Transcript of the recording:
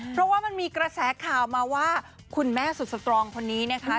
เพราะว่ามันมีกระแสข่าวมาว่าคุณแม่สุดสตรองคนนี้นะคะ